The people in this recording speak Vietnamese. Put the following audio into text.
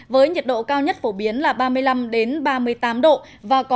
với nhiệt độ cao nhất phổ biến là ba mươi năm độ c